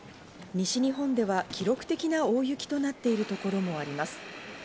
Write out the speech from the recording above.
西日本では記録的な大雪となっているところもあります。